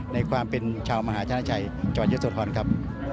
ในความเป็นชาวมหาชนะชัยจังหวัดเยอะโสธรครับ